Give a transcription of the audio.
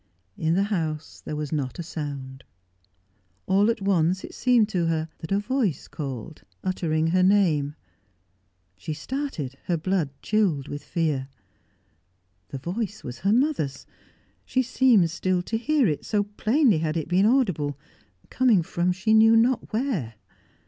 In the house there was not a sound. All at once it seemed to her that a voice called, uttering her name; she started, her blood chilled with fear. The voice was her mother's; she seemed still to hear it, so plainly had it been audible, coming from she knew not where.